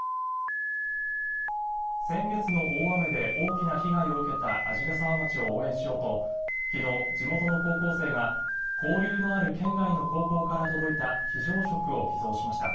先月の大雨で大きな被害を受けた鰺ヶ沢町を応援しようときのう、地元の高校生が交流のある県外の高校から届いた非常食を寄贈しました。